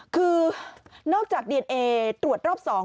คือนอกจากดีเอนเอตรวจรอบ๒